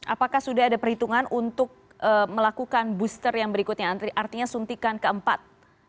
apakah sudah ada perhitungan untuk melakukan booster yang berikutnya artinya suntikan keempat